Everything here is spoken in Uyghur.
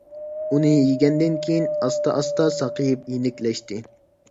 ئۇنى يېگەندىن كېيىن ئاستا - ئاستا ساقىيىپ يېنىكلەشتى.